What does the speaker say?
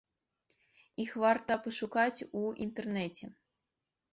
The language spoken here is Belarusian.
Іх варта пашукаць у інтэрнэце.